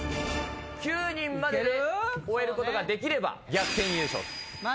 ９人までで終えることができれば逆転優勝。